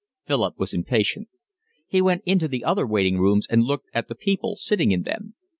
Philip was impatient. He went into the other waiting rooms and looked at the people sitting in them.